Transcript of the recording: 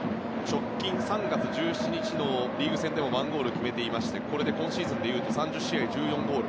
直近３月１７日のリーグ戦でも１ゴール決めていてこれで今シーズンは３０試合１４ゴール